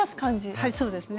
はいそうですね。